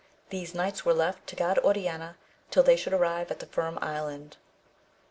These knights were left to guard Oriana till they should arrive at the Firm Island.